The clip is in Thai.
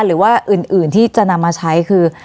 หรือว่าอื่นที่จะนำมาใช้คือ